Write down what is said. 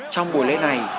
trong buổi lễ này